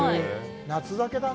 夏酒だね。